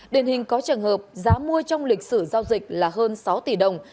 điển hình có trường hợp giá mua trong lịch sử giao dịch là hơn sáu tỷ đồng